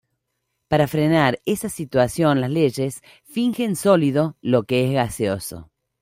Para frenar esa situación las leyes fingen sólido lo que es gaseoso